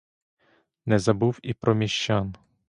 Не забув і про міщан.